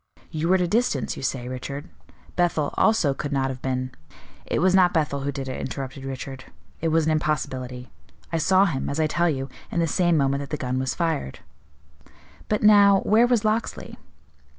You were at a distance, you say, Richard; Bethel, also, could not have been " "It was not Bethel who did it," interrupted Richard; "it was an impossibility. I saw him, as I tell you, in the same moment that the gun was fired." "But now, where was Locksley?"